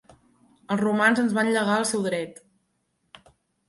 Els romans ens van llegar el seu dret.